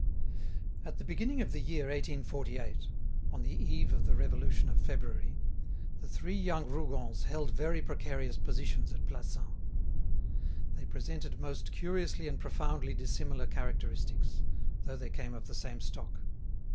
At the beginning of the year 1848, on the eve of the Revolution of February, the three young Rougons held very precarious positions at Plassans. They presented most curious and profoundly dissimilar characteristics, though they came of the same stock.